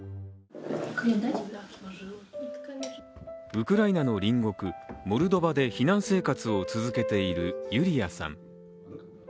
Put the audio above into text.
ウクライナの隣国モルドバで避難生活を続けているユリアさん。